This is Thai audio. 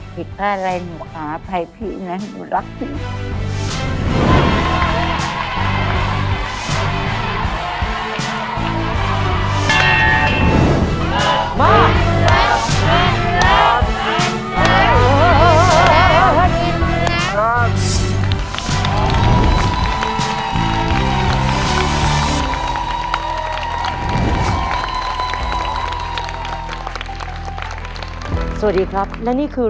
ผิดพลาดอะไรหนูขออภัยพี่นะหนูรักพี่